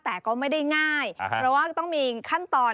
แต่ก็ไม่ได้ง่ายเพราะว่าก็ต้องมีขั้นตอน